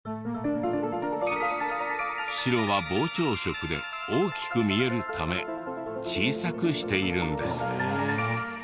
白は膨張色で大きく見えるため小さくしているんです。